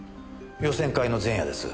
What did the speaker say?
予選会の前夜です。